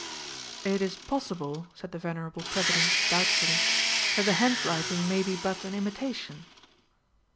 "It is possible," said the venerable President doubtfully, "that the handwriting may be but an imitation."